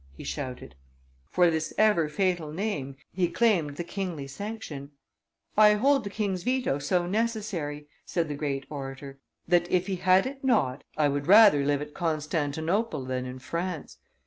he shouted. For this ever fatal name he claimed the kingly sanction. "I hold the king's veto so necessary," said the great orator, "that, if he had it not, I would rather live at Constantinople than in France.